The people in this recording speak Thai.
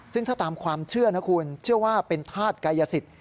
ซึ่งถ้าตามความเชื่อนะคุณเชื่อว่าเป็นธาตุกายสิทธิ